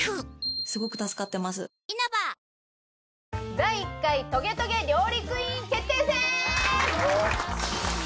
第１回トゲトゲ料理クイーン決定戦！